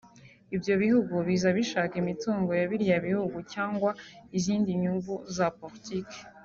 Ibyo bihugu biza bishaka imitungo ya biriya bihugu cyangwa izindi nyungu za politiki